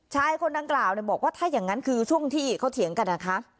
ชายคนดังกล่าวบอกว่าถ้าอย่างนั้นคือช่วงที่เขาเถียงกันนะคะ